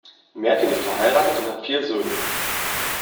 Mertin ist verheiratet und hat vier Söhne.